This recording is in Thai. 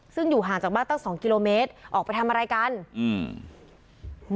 ซึ่งอยู่ห่างจากบ้านตั้งสองกิโลเมตรออกไปทำอะไรกันอืม